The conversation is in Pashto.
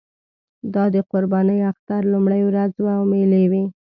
دا د قربانۍ اختر لومړۍ ورځ وه او مېلې وې.